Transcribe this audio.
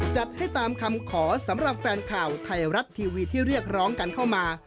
จัดให้ตามคำขอสำหรับแฟนข่าวไทยรัฐทีวีที่เรียกร้องกันเข้ามา